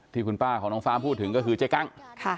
ที่คุณป้าของน้องฟ้ามพูดถึงก็คือเจ๊กั้ง